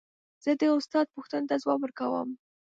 زه د استاد پوښتنو ته ځواب ورکوم.